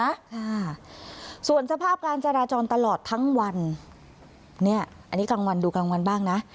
ค่ะส่วนสภาพการจราจรตลอดทั้งวันเนี่ยอันนี้กลางวันดูกลางวันบ้างนะ